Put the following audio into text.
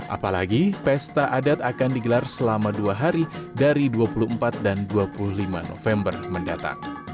apalagi pesta adat akan digelar selama dua hari dari dua puluh empat dan dua puluh lima november mendatang